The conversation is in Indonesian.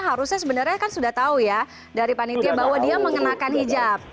harusnya sebenarnya kan sudah tahu ya dari panitia bahwa dia mengenakan hijab